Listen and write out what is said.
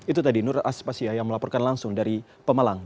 itu tadi nur aspasya yang melaporkan langsung dari pemalang